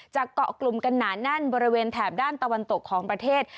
เกาะกลุ่มกันหนาแน่นบริเวณแถบด้านตะวันตกของประเทศ